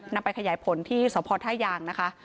นำไปขยายผลที่สพท่ายางนะคะ